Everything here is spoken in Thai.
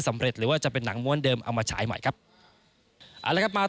อะแล้วครับมาต่อ